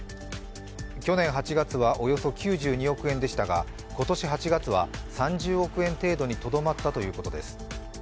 去年８月はおよそ９２億円でしたが今年８月は３０億円程度にとどまったということです。